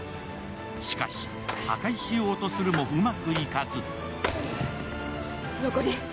しかし、破壊しようとするもうまくいかず。